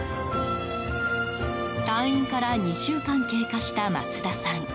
退院から２週間経過した松田さん。